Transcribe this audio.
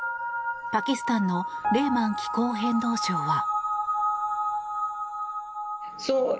パキスタンのレーマン気候変動相は。